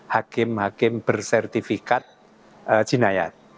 hakim hakim bersertifikat jinayat